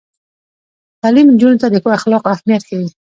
تعلیم نجونو ته د ښو اخلاقو اهمیت ښيي.